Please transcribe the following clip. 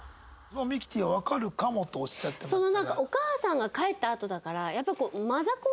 ミキティはわかるかもとおっしゃってましたが。